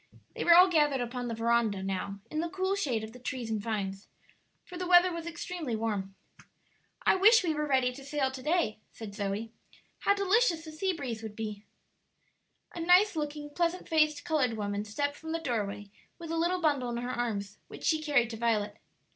They were all gathered upon the veranda now in the cool shade of the trees and vines, for the weather was extremely warm. "I wish we were ready to sail to day," said Zoe. "How delicious the sea breeze would be!" A nice looking, pleasant faced colored woman stepped from the doorway with a little bundle in her arms, which she carried to Violet.